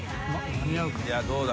気どうだ？